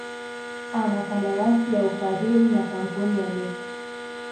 ana kandarasi ya ufadhili na kamapuni ya Nike